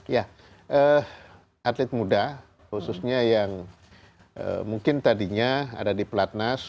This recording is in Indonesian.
ya atlet muda khususnya yang mungkin tadinya ada di pelatnas